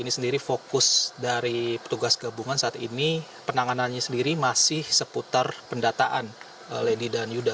ini sendiri fokus dari petugas gabungan saat ini penanganannya sendiri masih seputar pendataan lady dan yuda